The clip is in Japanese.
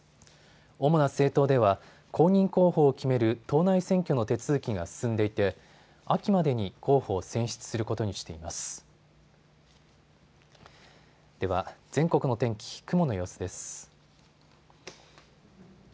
主な政党では公認候補を決める党内選挙の手続きが進んでいて秋までに候補を選出することにしています。